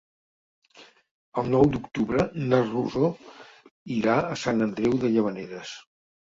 El nou d'octubre na Rosó irà a Sant Andreu de Llavaneres.